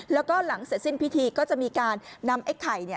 แล้วก็หลังเสร็จสิ้นพิธีก็จะมีการนำไอ้ไข่เนี่ย